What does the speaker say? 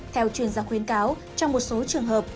theo chuyên gia khuyến cáo trong một số trường hợp